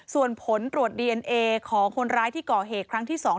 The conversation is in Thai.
ส่วนผลตรวจดีเอนเอของคนร้ายที่ก่อเหตุครั้งที่๒